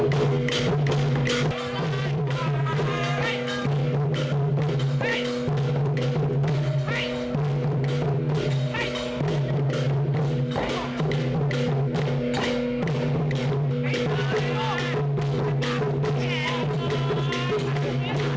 สวัสดีครับคุณโชว์ดน๊อเล